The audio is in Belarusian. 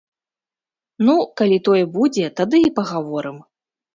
Ну, калі тое будзе, тады і пагаворым.